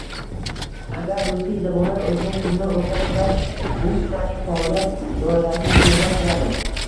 Agar rusiyzabonlar o'zbek tilini o'rgansalar, bu ularning faoliyat doirasini kengaytiradi